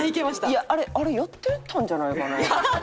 いやあれあれやってたんじゃないかな。